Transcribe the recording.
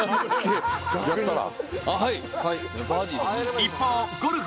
やったら？